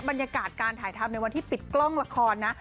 บรรยากาศการถ่ายทำในวันที่ปิดกล้องละครนะ